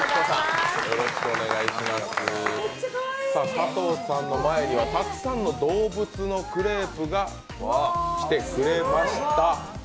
加藤さんの前にはたくさんの動物のクレープがきてくれました。